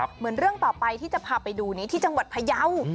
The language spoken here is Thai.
เหมือนเรื่องต่อไปที่จะพาไปดูนี้ที่จังหวัดพยาว